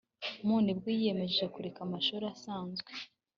mu nibwo yiyemeje kureka amashuri asanzwe